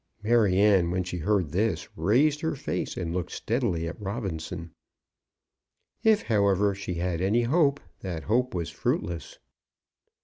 Maryanne, when she heard this, raised her face and looked steadily at Robinson. If, however, she had any hope, that hope was fruitless.